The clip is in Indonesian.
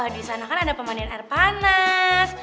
di sana kan ada pemandian air panas